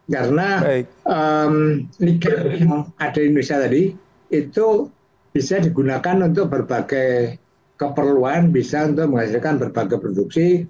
karena nikel yang ada di indonesia tadi itu bisa digunakan untuk berbagai keperluan bisa untuk menghasilkan berbagai produksi